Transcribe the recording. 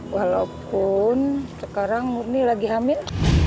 walaupun sekarang murni lagi hamil